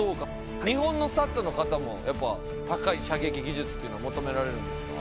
日本のＳＡＴの方もやっぱ高い射撃技術っていうのは求められるんですか？